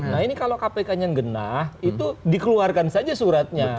nah ini kalau kpk nya genah itu dikeluarkan saja suratnya